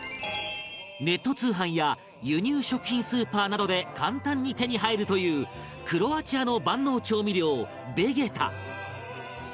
ネット通販や輸入食品スーパーなどで簡単に手に入るというクロアチアの万能調味料ベゲタ